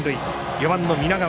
４番の南川。